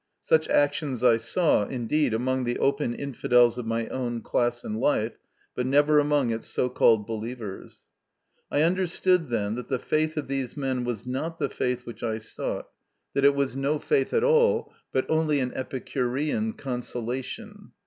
Such actions, I saw, indeed, among the open infidels of my own class in life, but never among its so called believers. I understood, then, that the faith of these men was not the faith which I sought ; that MY CONFESSION. 97 it was no faith at all, but only an Epicurean consolation.